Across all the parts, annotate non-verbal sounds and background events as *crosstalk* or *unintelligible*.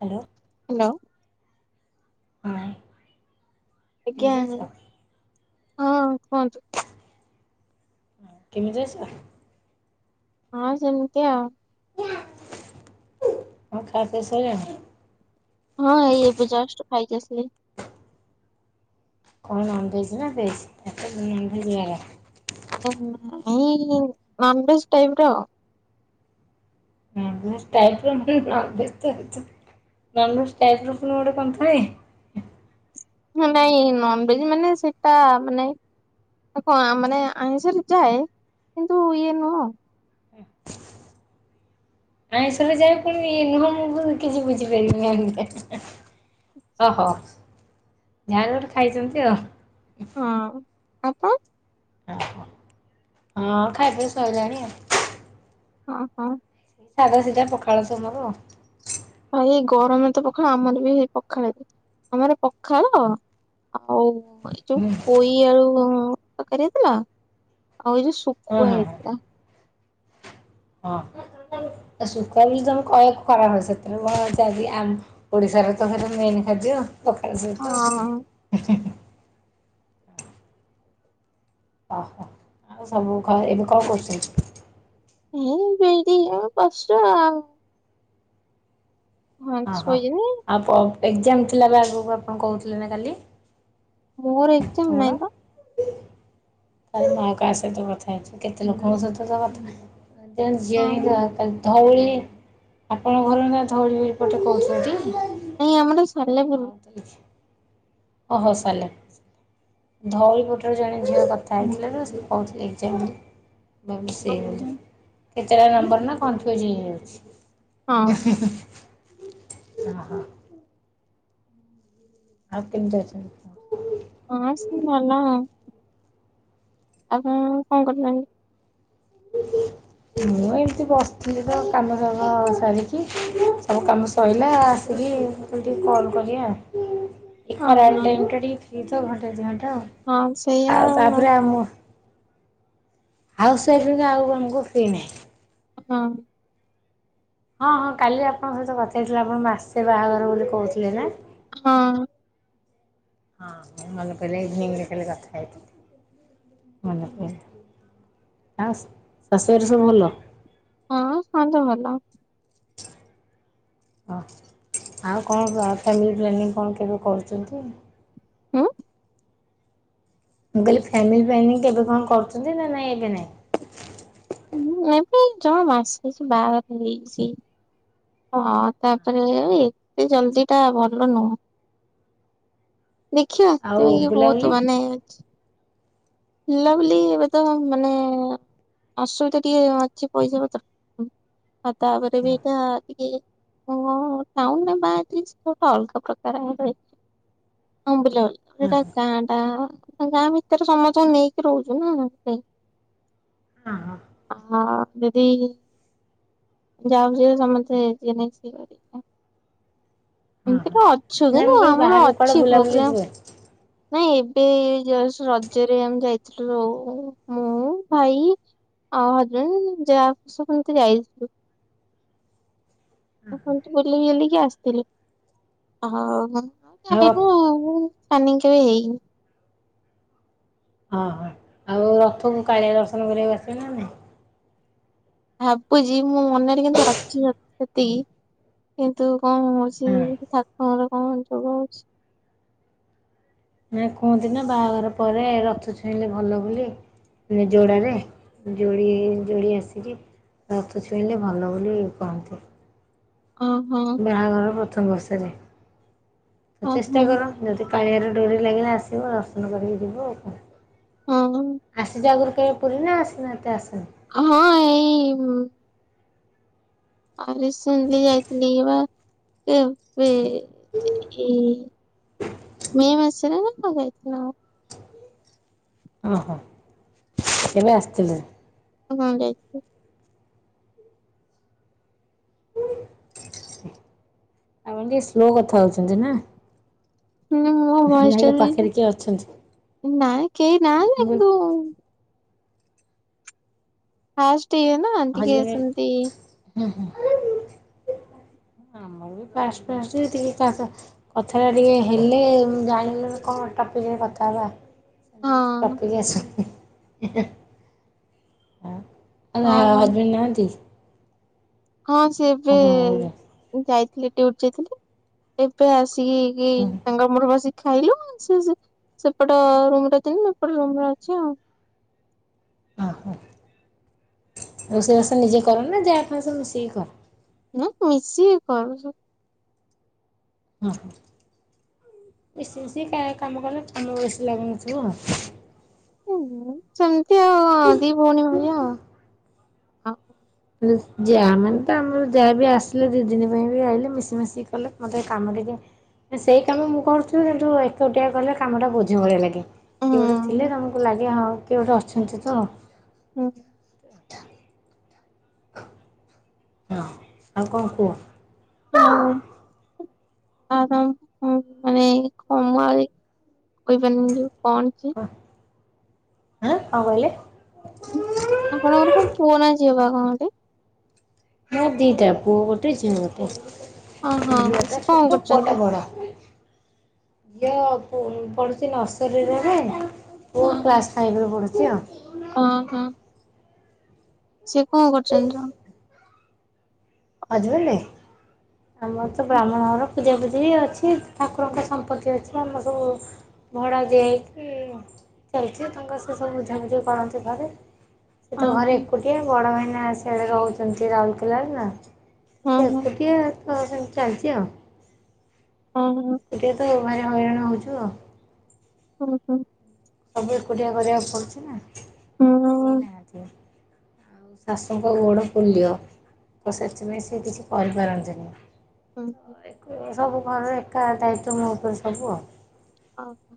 Hello. Hello. Hi ଆଜ୍ଞା କେମିତି ଅଛ। ହଁ କହନ୍ତୁ। କେମିଅଛ। ହଁ ସେମତି ଆଉ। ଆଉ ଖା ପିଆ ସରିଲାଣି? ହଁ ଏଇ ଏବେ ଜଷ୍ଟ ଖାଇକି ଆସିଲି। କଣ ନନ୍ ଭେଜ ନା ଭେଜ *unintelligible* ଆଁ ଉ ଉଁ ନନ୍ ଭେଜ୍ ଟାଇପ ର। ନନ୍ ଭେଜ ଟାଇପ ର ନନ୍ ଭେଜ୍ ତା ତ। ନନ୍ ଭେଜ୍ ଟାଇପ ର ପୁଣି କଣ ଗୋଟେ ଥାଏ। ନାଇଁ ନନ୍ ଭଜ୍ ମାନେ ସେଇଟା ମାନେ କ ମାନେ ଆଇଁଷରେ ଯାଏ କିନ୍ତୁ ଇଏ ନୁହ। ଆଇଁଶରେ ଯାଇ ପୁଣି ନୁହଁ ମୁଁ କିଛି ବୁଝିପାରିନି ମାନେ। ଓହୋ ଯାହା ଯୋଟ ଖାଇଛନ୍ତି ଆଉ। ହଁ ଆପଣ? ଆ ହଁ ଖା ପିଆ ସଇଲାଣି ଆଉ। ହଁ ହଁ। ସାଧା ସିଧା ପଖାଳ ତ ମୋର। ଭାଇ ଏଇ ଗରମରେ ତ ପଖାଳ ଆମର ବି ହେଇ ପଖାଳ ବି ଆମର ପଖାଳ ଆଉ ଏ ଯୋଉ ହୁଁ ପୋଇ ଆଳୁ ତକାରିଥିଲା। ଆଉ ଯଉ ହଁ ସୁଖୁଆ ହଁ ହଁ। ହେଇଥିଲା। ହଁ। ଶୁଖୁଆ *unintelligible* ସେଥିରେ ଓଡିଶାରେ ତ ମେନ୍ ଖାଦ୍ୟ। ଆଜି ପଖାଳ ହଁ ସହିତ। ଓହୋ ଆଉ ସବୁ ଏବେ କଣ କରୁଛନ୍ତି? ମୁଁ ବି ଏଠି ଆଉ ବସଚୁ ଆଉ। ଅ ହଁ ଆଉ ଏକଜାମ ଥିଲାବେଳେ ଆଗକୁ ଆପଣ କହୁଥିଲେ ନା କାଲି। ମୋର ଏକଜାମ୍ ନାଇଁ ତ। ତାହାଲେ ମୁଁ ଆଉ କା ସହିତ କଥାହଛ କେତ ଲୋକଙ୍କ ସହିତ ତ କଥା ହଁ *unintelligible* ଧଉଳି। ଆପଣଙ୍କ ଘର ନା ଧଉଳି ପଟେ କହୁଛନ୍ତି। ନାଇଁ ଆମର ସାଲେପୁରୁ। ଓ ହଉ ସାଲେ ଧଉଳିପଟରେ ଜଣେ ଝିଅ କଥା ହେଇଥିଲେ ତ ସେ କହୁଥିଲେ ଏ ଯାଏଁ ମୁଁ ସେ କେତେଟା ନମ୍ବର ନା କନଫ୍ୟୁଜ୍ ହେଇଯାଉଛି। ଇଁ ହଁ ହିଁ ହିଁ। ହ ହ। ଆଉ କେମତି ଅଛନ୍ତି? ହଁ ସେ ଭଲ ଆପଣ କଣ କରୁଚନ୍ତି? ଓ ହ ମୁଁ ଏମତି ବସିଥିଲି ତ କାମ ସା ରା ସାରିକି ସବୁ କାମ ସଇଲା। ଲି ତମୁକ ଟିକେ କଲ୍ କଲି ଆଉ ଏ ହଁ ଖରାବେଲ ହଁ ଟାଇମ୍ ଟା ଟିକେ ଫିର୍ ତ ଘଣ୍ଟେ ଦି ଘଣ୍ଟା। ହଁ ଆଉ ତାପରେ ଆମ ଆଉ ସେଇଠି ଆଉ ଆମକୁ ଫିନାହିଁ। ହଁ। ହଁ ହଁ କାଲି ଆପଣଙ୍କ ସହିତ କଥା ହେଇଥିଲି ଆପଣ ମାସେ ବାହାଘର ବୋଲି କହୁଥିଲେ ନା। ହଁ। ହଁ ହଁ ନହେଲେ ପିଲେ ଇଭିନିଂ ରେ କାଲି କଥା ହେଇଥିଲି। ମନେ ଆଉ ଶାଶୁ୍ଘରେ ସବୁ ଭଲ। ହଁ ସମତେ ଭଲ। ହଁ ଆଉ କଣ ଫ୍ୟାମିଲି ପ୍ଲାନିଂ କଣ କେବେ କରୁଚନ୍ତି‌‌? ଉଁ? ମୁଁ କହିଲି ଫାମିଲ ପ୍ଲାନିଂ କେବେ କଣ କରୁଚନ୍ତି ନା ନାଇଁ ଏବେ ନାଇଁ। ହୁଁ ଏବେ ଜମା ମାସେ ହେଇଚି ବାହାଘର ହେଇଚି। ହଁ ତାପରେ ଏତେ ଜଲଦି ଟା ଭଲ ନୁହଁ। *inaudible* ଦେଖିବା ଆଉ ଏଥିପାଇଁ କି ବହୁତ ବୁଲାବୁଲି ମାନେ ହେଇଚି। ଲଭଲି ଏବେ ତ ମାନେ ଅସୁବିଧା ଟିକେ ଅଛି ପଇସା ପତ୍ର ଆଉ ତାପରେ ବି ଏଇଟା ଟିକେ ଓ ହୋ ହୋ ଟାଉନ ରେ ବାଆ ହେଇଥିଲେ ସେ ଟା ଗୋଟେ ଅଲଗା ପ୍ରକାର ଆ। *unintelligible* ଆମ୍ବଲ। ହଁ ଏଇଟା ହଁ ଗାଁ ଟା ଆ। ଗାଁ ଭିତରେ ସମସ୍ତଙ୍କୁ ନେଇକି ରହୁଚୁ ନାଆ ସେ ହଁ ଆ ଯେଦି ଯାଉଛିି ସମତେ ଯିଏ ନାହିଁ ସିଏ। *unintelligible* ହଁ ହଁ। ଏମତିଟା ଅଛୁ ନାଇଁ କିନ୍ତୁ ମୁଁ କହିଲି ଆମର ବାହାରକୁ କୁଆଡେ ଅଛି ବୁଲାବୁଲି ପ୍ରୋଗ୍ରାମ୍। ଯିବେ ନାଇଁ ଏବେ ଏଇ ଜଷ୍ଟ ରଜେରେ ଆମ ଯାଇଥିଲୁ ରୁ ମୁଁ ଭାଇ ଆଉ ହଜବେଣ୍ଡ ଯାହା ବି ସମତେ ଯାଇଥିଲୁ। ଆ କନ୍ତୁ ବୁଲିବାଲି କି ଆସିଥିଲି। ଆହା ଆଉ କନ୍ ମୋର। ସ୍ପାନିଙ୍ଗ୍ କେବେ ହେଇନି। ଓ ହ ଆଉ ରଥକୁ କାଳିଆ ଦର୍ଶନ କରିବାକୁ ଆସିବେ ନା ନାଇ। ଭାବୁଚି ମୋ ମନରେ କିନ୍ତୁ ଅଛି ଭକ୍ତି ସେତିକି କିନ୍ତୁ କଣ ହଉଚି ହଁ ଠାକୁରଙ୍କର କଣ ଯୋଗ ହଉଚି। ନା କୁହନ୍ତି ନା ବାହାଘର ପରେ ରଥ ଛୁଇଁଲେ ଭଲ ବୋଲି। ମାନେ ଯୋଡ଼ାରେ ଯୋଡ଼ି ଯୋଡ଼ି ଆସିକି। ରଥ ଛୁଇଁଲେ ଭଲ ବୋଲି କହନ୍ତି। ଓହୋ ବାହାଘର ପ୍ରଥମ ବର୍ଷରେ ତ ଚେଷ୍ଟା ଓହୋ କର ଯଦି କାଳିଆର ଡୋରି ଲାଗିଲେ ଆସିବ ଦର୍ଶନ କରିକି ଯିବୁ ଆଉ କଣ। ହଁ ଆସିଚି ଆଗୁରୁ କେ ପୁର୍ ନା ଆସିନା ଏତେ ଆସନ୍ ହଁ ଏଇ ମ୍ ଆରେ ଶୁଣଲି ଯାଇଥିଲି ବା ଏବେ ଇ ମେଁ ମାସରେ ଆମେ ତ ଯାଇଥିଲ। ଅହ କେବେ ଆସିଥିଲେ? ହଁ ଯାଇଥିଲି। ଆପଣ ଟିକେ ସ୍ଲୋ କଥା ହଉଛନ୍ତି ନାଁ? ହୁଁ ମୋ ଭଏସ୍ ଟା ବି ସେ କିଏ ଅଛନ୍ତି ନାଇଁ। କେହି ନାହାନ୍ତି ମୁଁ କହିଲି କିନ୍ତୁ ଫାଷ୍ଟ୍ ଇଏ ନାଁ ଟିକେ ହଜବେଣ୍ଡ ସେମତି ହୁଁ ହୁଁ ଆମ ମୋର ବି ଫାଷ୍ଟ୍ ଫାଷ୍ଟେ ଟିକେ କା ସା କଥାଟା ଟିକେ ହେଲେ ଉଁ ଜାଣିଗଲେ କଣ ଟପିକ୍ କଥା ହବା ହଁ ସେମତି କିଛି ଟପିକି ଆସୁ ଆଉ ଆଲା ହଜବେନ୍ ନାହାନ୍ତି? ହଁ ସିଏ ଏବେ ଆପଣଙ୍କ ଘରେ? ଯାଇଥିଲେ ଡ୍ୟୁଟି ଯାଇଥିଲେ ଏବେ ଆସ୍ ଟିକି ତାଙ୍କ ମୋର ବସିି ଖାଇଲୁ ସିଏ ସେ ସେପଟ ରୁମ୍ ରେ ତି ମୁଁ ଏପଟ ରୁମ୍ ରେ ଅଛି ଆଉ। ଓହୋ। ରୋଷେଇ ବାସ ନିଜେ କର ନା ଯା ଫା ସବୁ ମିଶେଇକି କର? ନାଁ ମିଶି କରୁ ସ ଅହ। ମିଶି ମିଶି କା କାମ କଲେ କାମ ବେଶୀ ଲାଗନଥୁବ। ଉଁ ସେମିତି ଆଉ ଦି ଭୋଉଣୀ ଭଳିଆ ଆଉ ଆଉ। ହେଳେ ଯାଆ ମାନେ ତ ଆମର ଯାଆ ବି ଆସିଲେ ଦି ଦିନି ପାଇଁ ବି ଆଇଲେ ମିଶି ମାଶିକି କଲେ ମତେ କାମରେ ଟିଏ ଏ ସେଇ କାମ ମୁଁ କରୁଥୁବି କିନ୍ତୁ ଏକୁଟିଆ କଲେ କାମଟା ବୋଝ ଭଳିଆ ଲାଗେ। କିଏ ଗୋଟେ ହୁଁ ଥିଲେ ତମୁକୁ ଲାଗେ ହଁ କିଏ ଗୋଟେ ଅଛନ୍ତି ତ। ହୁଁ। ହଁ ଆଉ କଁ କୁହ। ଆଉ ଆଉ ତମ ଅଁ ମାନେ କ ମୁଁ ଆଜି କଇପାରନି ମୁଁ ଯୋଉ କଣ ଚେ ଆଁ କଁ କହିଲେ? ଉଁ ଆପଣଙ୍କର ପା ପୁଅ ନାଁ ଝିଅ ବା କଣ ଗୋଟେ? ମୋ ଦିଟା ପୁଅ ଗୋଟେ ଝିଅ ହଁ ଗୋଟେ। ହଁ ଝିଅଟା ସେ କଣ ଛୋଟ ପୁଅଟା କରୁଛନ୍ତି? ବଡ଼। ଝିଅ ପୋ ପଢ଼ୁଚି ନର୍ସରୀରେ ପା ପୁଅ କ୍ଲାସ୍ ଫାଇପ୍ ରେ ପ ଚି ଅ। ଓ ହଁ। ସିଏ କଁ କରୁଚନ୍ତି ଜ ହଜବେଣ୍ଡ୍? ଆମର ତ ବ୍ରାହ୍ମଣହର ପୂଜା ପୂଜିି ଅଛି ଠାକୁରଙ୍କ ସମ୍ପତ୍ତି ଅଛି ଆମର ସବୁ ଭଡ଼ା ଦିଆହେଇକି ଚାଲଚି ତାଙ୍କ ସିଏ ସବୁ ବୁଝାବୁଝି କରନ୍ତି ଘରେ। ସେ ତ ଓହୋ ଘରେ ଏକୁଟିଆ ବଡ଼ ଭାଇନା ସିଆଡ଼େ ରହୁଚନ୍ତି ରାଉଲକେଲାରେ ନାଁ। ହଁ ସେ ହଁ ଏକୁଟିଆ ତ ସେମତି ଚାଲଚି ଆଉ। ଅଁ ହଁ। ଏକୁଟିଆ ତ ଭାରି ହଇରାଣ ହଉଚୁ। ଓହୋ। ସବୁ ଏକୁଟିଆ କରିବାକୁ ପଡ଼ୁଚି ନାଁ ହଁ କେଇ ନାହାନ୍ତି। ଆଉ ଶାଶୁଙ୍କ ଗୋଡ଼ ପୋଲିଅ ତ ସେଥିପାଇଁ ସିଏ କିଛି କରିପାରନ୍ତିନି। ଅଁ ହ। ତ ଏକୁ- ସବୁ ଘରର ଏକା ଦାୟିତ୍ୱ ମୋ ଓପରେ ସବୁ ଆଉ। ଅ ହ।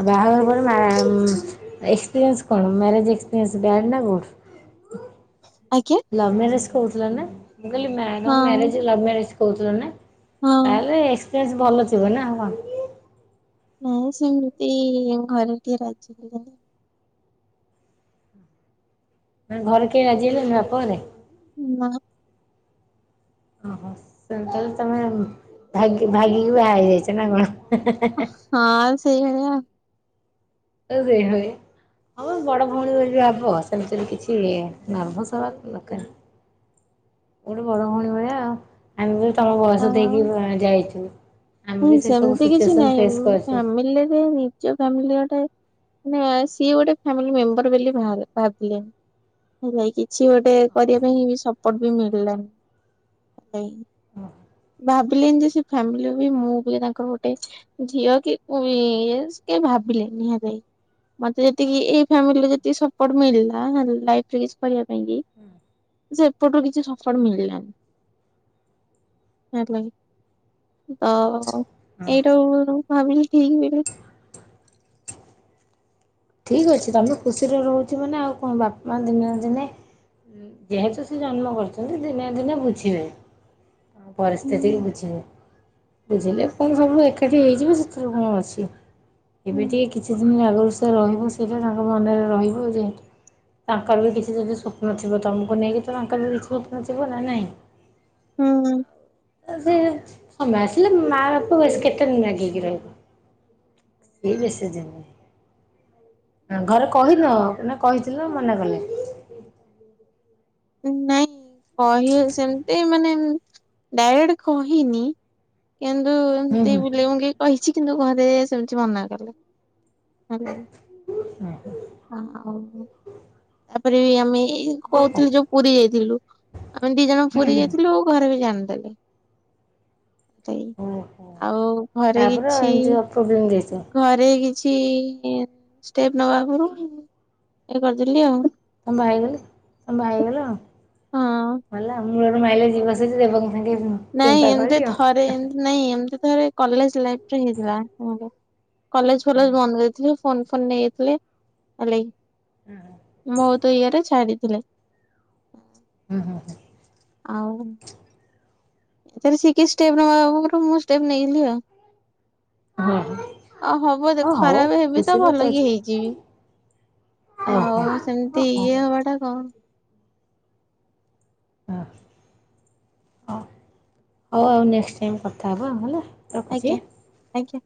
ଆଉ ବାହାଘର ପରେ ମା ଏକ୍ସପିରିଏନ୍ସ୍ କଣ ମ୍ୟାରେେଜ୍ ଏକ୍ସପିରିଏନ୍ସ୍ ବ୍ୟାଡ଼୍ ନାଁ ଗୁଡ଼୍? ଆଜ୍ଞା ଲଭ ମାରେଜ କହୁଥିଲା ନା ମୁଁ କହିଲି ମ୍ୟା ହଁ ତମ ମ୍ୟାରେଜ ଲଭ୍ ମ୍ୟରେଜ୍। କହୁଥିଲ ନା ହଁ ତାହେଲେ ଏକପ୍ରେସ ଭଲଥିବ ନା କଣ। ନାଇଁ ସେମିତି ଘରେ ଟିକଏ ରାଜି ହେଲେନି। ମାନେ ଘରେ କେହି ରାଜି ହେଲେନି ବାପ ଘରେ? ନାଁ। ଓହୋ ସେତି ହେଲେ ତମେ ଭାଗି ଭାଗିକି ବିହାରଇଯାଇଛ ନା କଣ। ହଁ ସେଇଭଳିଆ। *unintelligible* ହଁ ବଡ ଭଉଣୀ ଭଳି ବି ହବ ସେମିତିରେ କିଛି ନର୍ଭସ୍ ହବା ଦରକାର ନାଇଁ। ଗୋଟେ ବଡ ଭଉଣୀ ଭଳିଆ ଆଉ ଆମେ ବି ତମ ବୟସ ଦେଇକି ଯାଇଛୁ। ଆମେ ହୁଁ ବି ସେ ସବୁ ସେମିତି କିଛି ସିଚୁଏସନ ନହିଁ ଫେସ୍ କରିଛୁ। ଫ୍ୟାମିଲିରେ ନିଜ ଫାମିଲି ଗୋଟେ ମାନେ ସିଏ ଗୋଟେ ଫ୍ୟାମିଲ ମେମ୍ବର ବୋଲି ଭାବେ ଭାବିଲେନି। ହେତିନାଗି କିଛି ଗୋଟେ କରିବା ପାଇଁ ସପୋର୍ଟ ବି ମିଳିଲାନି। ଭାବିଲେନି ଯେ ସେ ଫାମିଲି ମୁଁ ବି ତାଙ୍କର ଗୋଟେ ଝିଅ କି କି ଭାବିଲେ ନିହାତି। ମତେ ଯେତିକି ଏଇ ଫ୍ୟାମିଲି ଯେତିକି ସପୋର୍ଟ ମିଳିଲା ଲାଇରେ କିଛି କରିବା ପାଇଁ କି ଯେ ଏପଟରୁ କିଛି ସପଟ ମଳିଲାନ। ହେତିଲାଗି। ତ ହଁ ଏଇଟା ଭାବିଲି ଠିକ ବୋଲି। ଠିକ ଅଛି ତମେ ଖୁସିରେ ରହୁଛ ମାନେ ଆଉ କଣ ବାପା ମା ଦିନେ ନା ଦିନେ ଯେହେତୁ ସେ ଜନ୍ମ କରୁଛନ୍ତି ଦିନେ ଦିନେ ବୁଝିବେ। ହଁ ପରିସ୍ଥିତି ବୁଝିବେ ବୁଝିଲେ ଫେଣି ସବୁୁ ଏକାଠି ହେଇଯିବୁ ସେଥିରୁ କଣ ଅଛି ଏବେ ଟିକେ କିଛି ଦିନ *unintelligible* *unintelligible* ସେଇଟା ତାଙ୍କ ମନରେ ରହିବୁ ଯେହେତୁ ତାଙ୍କର ବି କିଛି ଯଦି ସ୍ୱପ୍ନ ଥିବ ତମକୁ ନେଇକି ତ ତାଙ୍କର ବିଛି ସ୍ୱପ୍ନ ଥିବ ନା ନାଇଁ? ହୁଁ *unintelligible* ହଁ ଆସିଲେ ମା ବାପା ବେଶି କେତେ ଦିନ ରାଗିକି କି ରହିବ? ସିଏ ବେଶିଦିନୀ। ଘରେ କହିନ ନା କହିଥିଲେ ମନା କଲେ? ନାଇଁ। କହି ସେମତି ମାନେ ଡାଇରେକ୍ଟ କହିନି। କିନ୍ତୁ ହୁଁ ଏମତି ହୁଁ ବୁଲେଇ ବଙ୍କେଇ କହିଛି କିନ୍ତୁ ଘରେ ସେମିତି ମନା କଲେ। ହେଲାକି ହୁଁ ଆଉ ତାପରେ ବି ଆମେ ଏଇ ଓହୋ କହୁଥିଲି ଯୋଉ ପୁରୀ ଯାଇଥିଲୁ ଆମେ ଦି ଜଣ ହୁଁ ପୁରୀ ହୁଁ ଯାଇଥିଲୁ ଆଉ ଘରେ ବି ଜାଣି ଦେଲେ। ଓହୋ ଆଉ ଘରେ ତାପରେ କିଛି ଏମିତି ପ୍ରୋବ୍ଲେମ୍ ଦେଇଥିବ ଘରେ କିଛି କିଛି ଷ୍ଟେପ ନବା ଆଗରୁ ଇ କରିଦେଲି ଆଉ। ତମେ ବହାହେଇଗଲେ ତମେ ବାହା ହେଇଗଲେ ହଁ। ଆ ଗଲା ମୂଳରୁ ମାଇଲା ଯିବ ସରି ଦେବଙ୍କ ସ ନାଇଁ ଏମତି ଥରେ ଏମତି ନାଇଁ ଏମତି ଥରେ କଲେଜ ଲାଇରେ ହେଇଥିଲା କଲେଜ ଫଲେଜ୍ ବନ୍ଦ କରିଦେଇଥିଲେ। ଫୋନ ଫୋନ ନେଇଥିଲେ ହେଲେକି ବୋହୁତ ଇଏରେ ଛାଡ଼ି ଥିଲେ ହୁଁ ହୁଁ ହୁଁ ଆଉ। ସେ କି ଷ୍ଟେପ ନବା ଆଗରୁ ମୁଁ ଷ୍ଟେପ ନେଇଗଲି ଆଉ ହଁ ଆ ହବ ହଁ ଦେଖ ହଉ ଖରାପ ହେବି ତ ଖୁସିରେ ଭଲ କି ଅଛି ହେଇଯିବି। ଆଉ ଓହୋ ସେମିତି ଓହୋ ଇଏ ହବା ଟା କଣ? ହଁ ହଁ ହଉ ଆଉ ନେକ୍ସଟ ଟାଇମ୍ କଥା ହେବା ହେଲା। ରଖୁଛି ଆଜ୍ଞା ଆଜ୍ଞା।